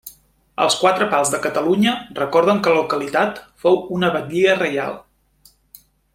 Els quatre pals de Catalunya recorden que la localitat fou una batllia reial.